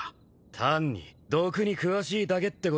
単に毒に詳しいだけってことはねえのかよ。